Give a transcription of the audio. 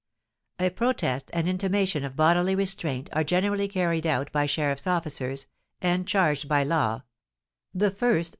_) "A protest and intimation of bodily restraint are generally carried about by sheriffs' officers, and charged by law, the first, 4_f.